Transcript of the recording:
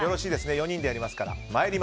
４人でやりますから。